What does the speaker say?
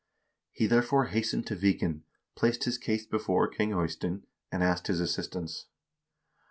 He therefore hastened to Viken, placed his case before King Eystein, and asked his assistance.